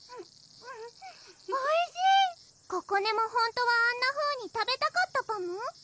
ここねもほんとはあんなふうに食べたかったパム？